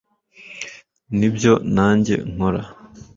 Nibyo nanjye nkora